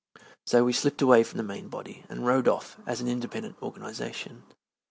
So we slipped away from the main body and rode off as an independent organization.